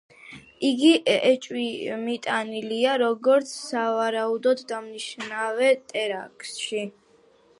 იგი ეჭვმიტანილია, როგორც სავარაუდო დამნაშავე ტერაქტში.